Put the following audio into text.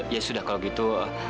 ya sudah kalau gitu